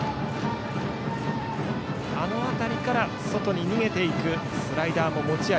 あの辺りから外に逃げるスライダーも持ち味。